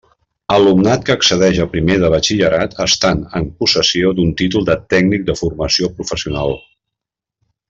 Alumnat que accedeix a primer de Batxillerat estant en possessió d'un títol de Tècnic de Formació Professional.